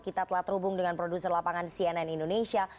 kita telah terhubung dengan produser lapangan cnn indonesia